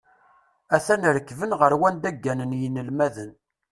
A-t-an rekben ɣer wanda gganen yinelmaden.